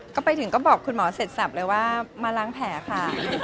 ก็ไปถึงก็บอกคุณหมอเสร็จสับเลยว่ามาล้างแผลค่ะ